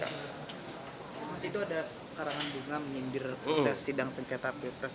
mas itu ada karangan bunga menyindir proses sidang sengketa pilpres